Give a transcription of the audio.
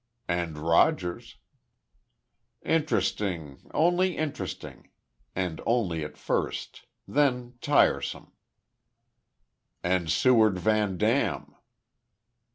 "And Rogers " "Interesting only interesting and only at first. Then tiresome!" "And Seward Van Dam."